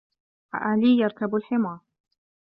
عَلِيٌّ يَرْكَبَ الْحِمَارَ.